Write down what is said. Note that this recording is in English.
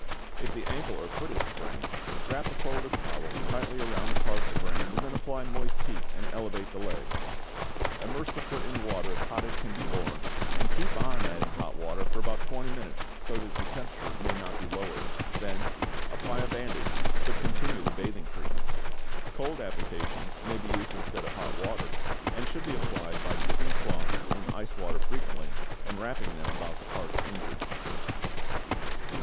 If the ankle or foot is sprained, wrap a folded towel tightly around the part sprained and then apply moist heat and elevate the leg. Immerse the foot in water as hot as can be borne and keep on adding hot water for about 20 minutes, so that the temperature may not be lowered; then apply a bandage, but continue the bathing treatment. Cold applications may be used instead of hot water, and should be applied by dipping cloths in ice water frequently, and wrapping them about the parts injured.